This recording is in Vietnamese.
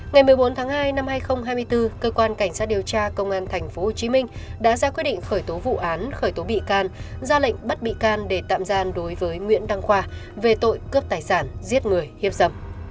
ngày một mươi bốn tháng hai năm hai nghìn hai mươi bốn cơ quan cảnh sát điều tra công an tp hcm đã ra quyết định khởi tố vụ án khởi tố bị can ra lệnh bắt bị can để tạm giam đối với nguyễn đăng khoa về tội cướp tài sản giết người hiếp dậm